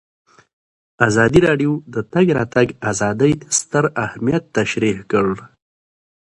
ازادي راډیو د د تګ راتګ ازادي ستر اهميت تشریح کړی.